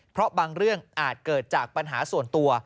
เพราะบางเรื่องอาจเกิดจากปัญหาส่วนตัว